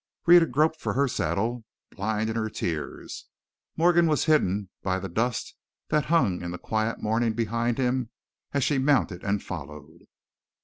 Rhetta groped for her saddle, blind in her tears. Morgan was hidden by the dust that hung in the quiet morning behind him as she mounted and followed.